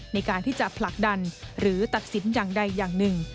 ในการที่จะผลักดันหรือตัดสินอย่างใดอย่างหนึ่ง